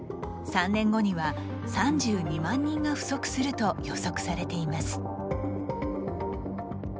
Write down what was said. ３年後には３２万人が不足すると予測されています。